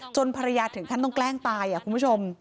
ภรรยาถึงขั้นต้องแกล้งตายคุณผู้ชม